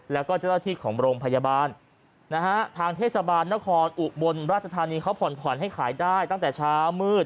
แล้วก็เจ้าหน้าที่ของโรงพยาบาลนะฮะทางเทศบาลนครอุบลราชธานีเขาผ่อนให้ขายได้ตั้งแต่เช้ามืด